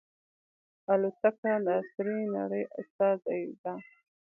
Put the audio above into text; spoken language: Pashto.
الوتکه د عصري نړۍ استازې ده.